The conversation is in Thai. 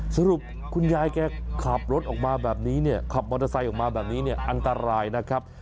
สรุปคุณยายแกขับรถออกมาแบบนี้เนี่ยขับมอเตอร์ไซค์ออกมาแบบนี้เนี่ยอันตรายนะครับ